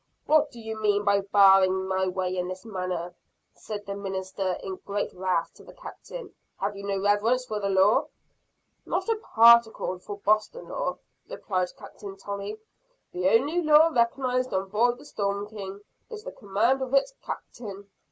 "What do you mean by barring my way in this manner?" said the minister in great wrath to the captain. "Have you no reverence for the law?" "Not a particle for Boston law," replied Captain Tolley. "The only law recognized on board the Storm King is the command of its Captain.